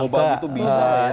mau tambah nangka